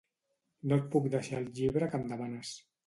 No et puc deixar el llibre que em demanes.